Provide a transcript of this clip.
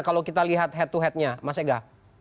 kalau kita lihat head to headnya mas ega